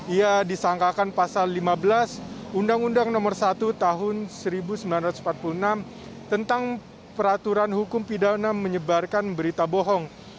ia disangkakan pasal lima belas undang undang nomor satu tahun seribu sembilan ratus empat puluh enam tentang peraturan hukum pidana menyebarkan berita bohong